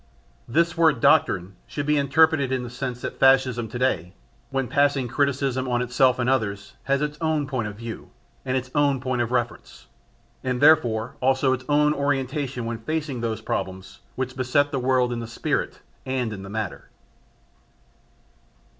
This word doctrine should be interpreted in the sense that Fascism, to day, when passing criticism on itself and others, has its own point of view and its own point of reference, and therefore also its own orientation when facing those problems which beset the world in the spirit and in the matter.